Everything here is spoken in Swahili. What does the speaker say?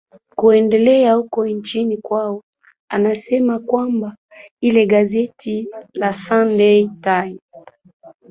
K kuendelea huku nchini kwao anasema kwamba hile gazeti la sunday times